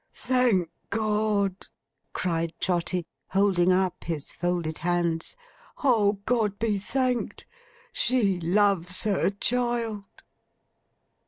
'Thank God!' cried Trotty, holding up his folded hands. 'O, God be thanked! She loves her child!